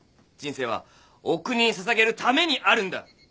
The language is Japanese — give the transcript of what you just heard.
人生はお国に捧げるためにあるんだ！